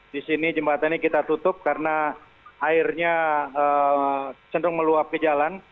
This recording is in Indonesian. di sini jembatan ini kita tutup karena airnya cenderung meluap ke jalan